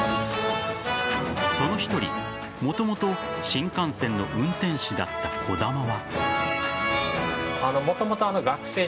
その１人、もともと新幹線の運転士だった兒玉は。